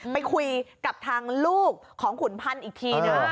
ไปคุยกับทางลูกของขุนพรรคอีกที